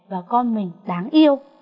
và con mình đáng yêu